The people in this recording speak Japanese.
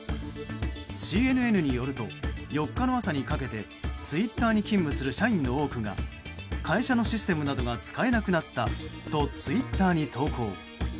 ＣＮＮによると４日の朝にかけてツイッターに勤務する社員の多くが会社のシステムなどが使えなくなったとツイッターに投稿。